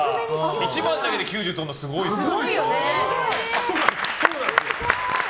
１番だけで９０取るのすごいですよ。